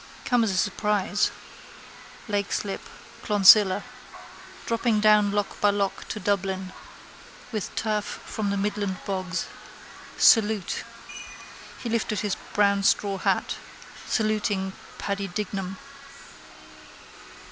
Come as a surprise, Leixlip, Clonsilla. Dropping down lock by lock to Dublin. With turf from the midland bogs. Salute. He lifted his brown straw hat, saluting Paddy Dignam.